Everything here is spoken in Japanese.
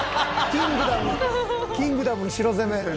『キングダム』の城攻め。